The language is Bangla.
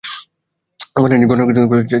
গণেশ, ছাদ সেট আপ করো।